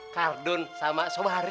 kardun sama sobari